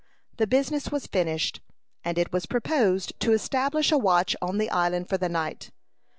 The business was finished, and it was proposed to establish a watch on the island for the night.